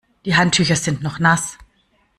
Die Handtücher sind noch nass.